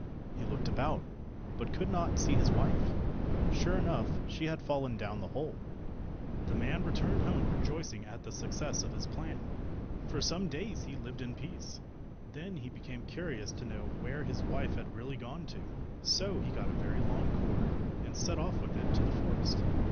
He looked about, but could not see his wife. Sure enough, she had fallen down the hole. The man returned home rejoicing at the success of his plan. For some days he lived in peace. Then he became curious to know where his wife had really gone to. So he got a very long cord, and set off with it to the forest.